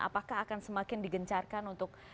apakah akan semakin digencarkan untuk